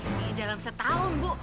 ini dalam setahun bu